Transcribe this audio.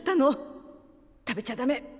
食べちゃダメ！